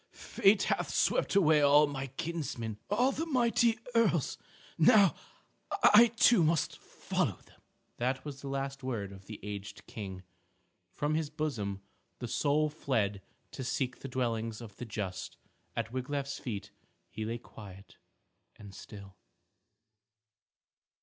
"Fate hath swept away all my kinsmen, all the mighty earls. Now I too must follow them." That was the last word of the aged King. From his bosom the soul fled to seek the dwellings of the just. At Wiglaf's feet he lay quiet and still.